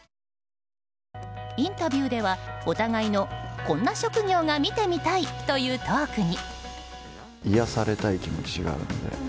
インタビューではお互いのこんな職業が見てみたいというトークに。